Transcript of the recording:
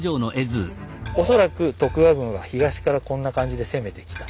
恐らく徳川軍は東からこんな感じで攻めてきた。